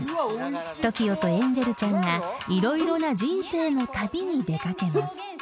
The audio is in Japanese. ［ＴＯＫＩＯとエンジェルちゃんが色々な人生の旅に出掛けます］